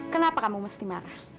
kenapa kamu mesti marah